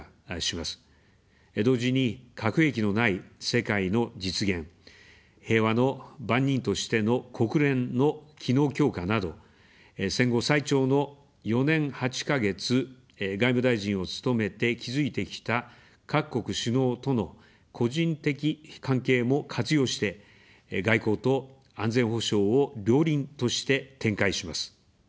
同時に、核兵器のない世界の実現、平和の番人としての国連の機能強化など、戦後最長の４年８か月、外務大臣を務めて築いてきた各国首脳との個人的関係も活用して、外交と安全保障を両輪として展開します。